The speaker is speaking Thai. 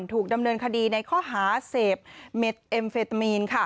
ถูกดำเนินคดีในข้อหาเสพเม็ดเอ็มเฟตามีน